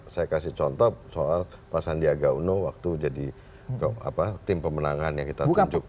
saya kasih contoh soal pak sandiaga uno waktu jadi tim pemenangan yang kita tunjuk